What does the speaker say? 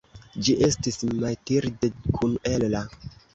Ĝi estis Mathilde kun Ella.